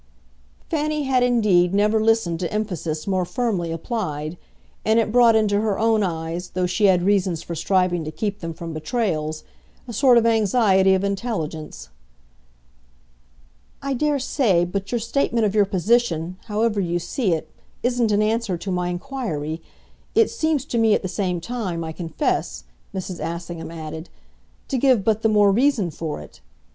Fanny had indeed never listened to emphasis more firmly applied, and it brought into her own eyes, though she had reasons for striving to keep them from betrayals, a sort of anxiety of intelligence. "I dare say but your statement of your position, however you see it, isn't an answer to my inquiry. It seems to me, at the same time, I confess," Mrs. Assingham added, "to give but the more reason for it.